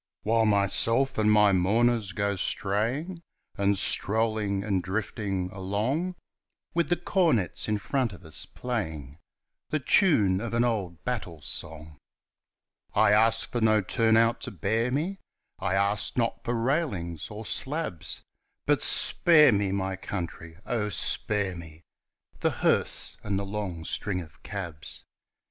While myself and my mourners go straying And strolling and drifting along, With the cornets in front of us playing The tune of an old battle song! 116 THE JOLLY DEAD MARCH 11? I ask for no "turn out" to bear me; I ask not for railings or slabs, And spare me, my country, oh, spare me The hearse and the long string of cabs!